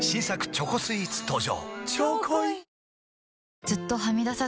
チョコスイーツ登場！